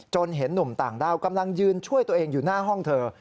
เห็นหนุ่มต่างด้าวกำลังยืนช่วยตัวเองอยู่หน้าห้องเธอ